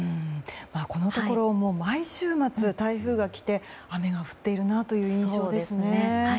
このところ毎週末台風が来て雨が降っているなという印象ですね。